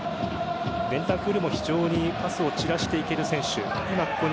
ベンタンクールも非常にパスを散らしていける選手。